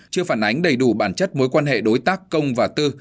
chưa phản ánh đầy đủ bản chất mối quan hệ đối tác công và tư